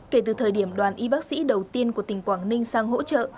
kể từ thời điểm đoàn y bác sĩ đầu tiên của tỉnh quảng ninh sang hỗ trợ